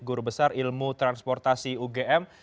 guru besar ilmu transportasi ugm